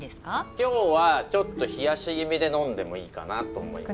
今日はちょっと冷やし気味で呑んでもいいかなと思います。